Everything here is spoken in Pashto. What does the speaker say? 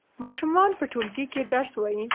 ماشومان په ټولګي کې درس وايي.